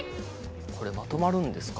これまとまるんですか？